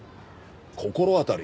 心当たり。